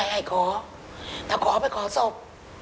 ไม่หายขอถ้าขอไปขอศพ